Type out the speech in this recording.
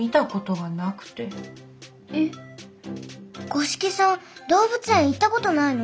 五色さん動物園行ったことないの？